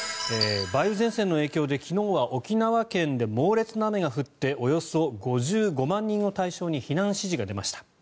梅雨前線の影響で昨日は沖縄県で猛烈な雨が降っておよそ５５万人を対象に避難指示が出ました。